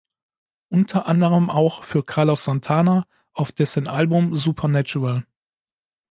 Unter anderem auch für Carlos Santana auf dessen Album "Supernatural".